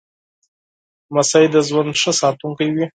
لمسی د ژوند ښه ساتونکی وي.